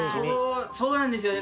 そうなんですよね。